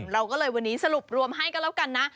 เราก็เลยวันนี้สรุปรวมให้ก็แล้วกันนะ